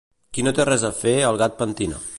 Qui no té res a fer el gat pentina